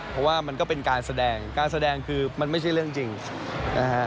เพราะว่ามันก็เป็นการแสดงการแสดงคือมันไม่ใช่เรื่องจริงนะฮะ